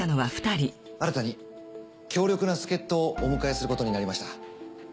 新たに強力な助っ人をお迎えすることになりました。